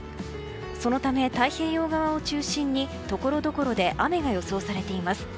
そのため、太平洋側を中心にところどころで雨が予想されています。